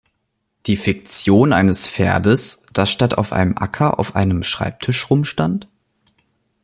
Die Fiktion eines Pferdes, das statt auf einem Acker auf einem Schreibtisch rumstand?